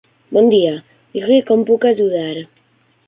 Bon dia, digui'm com puc ajudar.